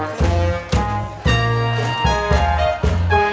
น้อยดูลายมอนมานี่ก่อน